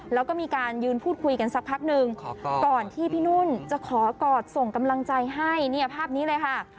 แล้วก็มีการยืนพูดคุยกันสักพักหนึ่งก่อนที่พี่นุ่นจะขอกอดส่งกำลังใจให้เนี่ยภาพนี้เลยค่ะ